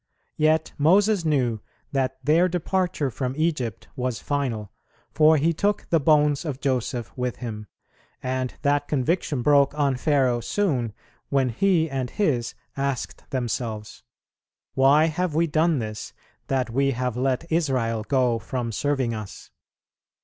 Yet Moses knew that their departure from Egypt was final, for he took the bones of Joseph with him; and that conviction broke on Pharaoh soon, when he and his asked themselves, "Why have we done this, that we have let Israel go from serving us?"